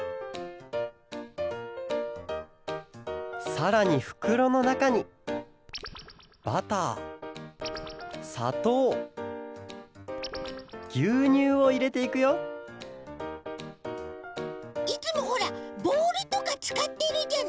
さらにふくろのなかにバターさとうぎゅうにゅうをいれていくよいつもほらボウルとかつかってるじゃない。